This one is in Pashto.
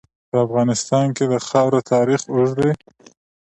په افغانستان کې د خاوره تاریخ اوږد دی.